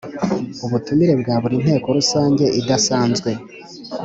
Ubutumire bwa buri nteko rusange idasanzwe